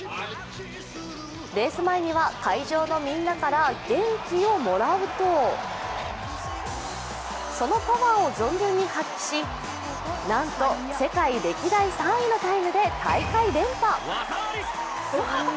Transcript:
レース前には、会場のみんなから元気をもらうとそのパワーを存分に発揮しなんと世界歴代３位のタイムで大会連覇。